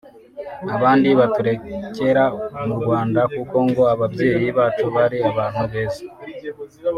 abandi baturekera mu Rwanda kuko ngo ababyeyi bacu bari abantu beza